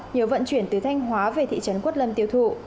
nhờ vận chuyển từ thanh hóa về thị trấn quất lâm tiêu thụ